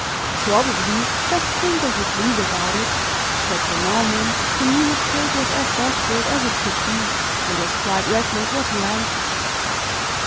"Probably just think as you please about it!" said Sir Norman, who knew his case was as desperate as it could be, and was quite reckless what he answered.